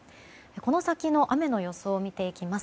この先の雨の予想を見ていきます。